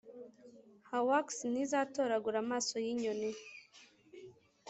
hawks ntizatoragura amaso yinyoni.